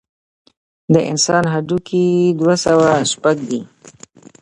د انسان هډوکي دوه سوه شپږ دي.